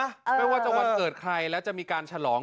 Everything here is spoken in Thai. ไม่ว่าจะวันเกิดใครและจะมีการฉลอง